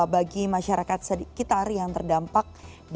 bagi masyarakat sekitar yang terdampak